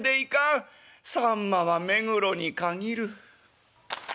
さんまは目黒に限る」。